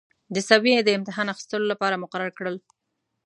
د سویې د امتحان اخیستلو لپاره مقرر کړل.